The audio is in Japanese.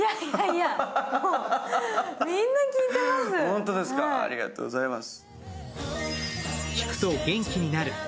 ホントですか、ありがとうございます。